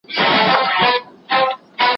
اړولي يې پيسې وې تر ملكونو.